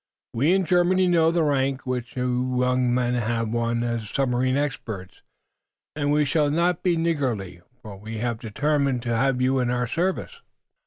We in Germany know the rank which you young men have won as submarine experts, and we shall not be niggardly, for we have determined to have you in our service."